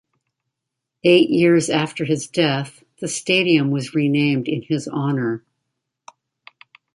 Eight years after his death, the stadium was renamed in his honor.